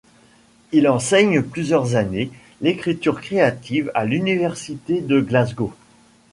Il enseigne plusieurs années l'écriture créative à l'Université de Glasgow.